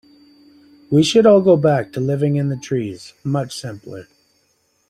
We should all go back to living in the trees, much simpler.